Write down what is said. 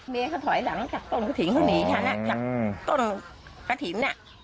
เขาถอยหลังจากต้นกระถิ่นเขาหนีฉันจากต้นกระถิ่น